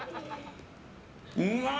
うまい！